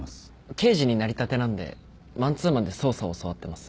刑事になりたてなんでマンツーマンで捜査を教わってます。